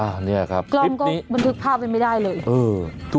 โหรถ